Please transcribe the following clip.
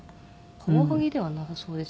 カワハギではなさそうですけど。